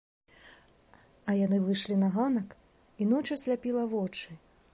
А яны выйшлі на ганак, і ноч асляпіла вочы.